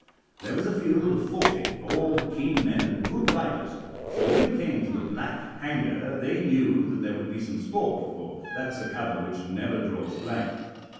There was a field of forty, all keen men and good riders, so when they came to the Black Hanger they knew that there would be some sport, for that's a cover which never draws blank.